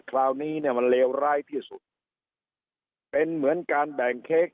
คราวนี้เนี่ยมันเลวร้ายที่สุดเป็นเหมือนการแบ่งเค้ก